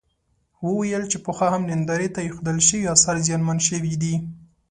وویل چې پخوا هم نندارې ته اېښودل شوي اثار زیانمن شوي دي.